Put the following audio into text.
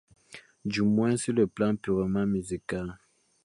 Du moins, sur le plan purement musical.